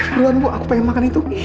ayo beruan bu aku pengen makan itu